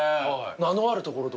名のある所と。